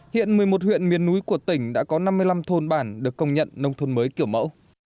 hiện một mươi một huyện miền núi của tỉnh đã có năm mươi năm thôn bản được công nhận nông thôn mới kiểu mẫu